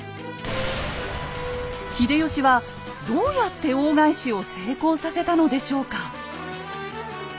秀吉はどうやって大返しを成功させたのでしょうか？